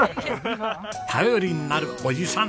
頼りになるおじさん。